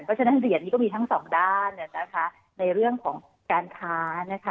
เพราะฉะนั้นเหรียญนี้ก็มีทั้งสองด้านนะคะในเรื่องของการค้านะคะ